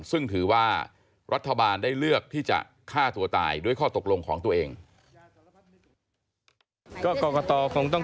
ซึ่งถือว่ารัฐบาลได้เลือกที่จะฆ่าตัวตายด้วยข้อตกลงของตัวเอง